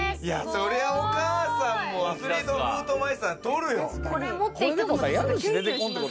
それはお母さんもアスリートフードマイスターとるよ。